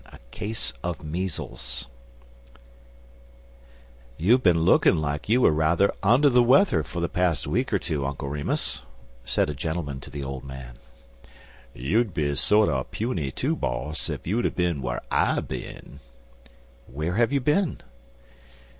X. A CASE OF MEASLES "YOU'VE been looking like you were rather under the weather for the past week or two, Uncle Remus," said a gentleman to the old man. "You'd be sorter puny, too, boss, if you'd er bin whar I bin." "Where have you been?"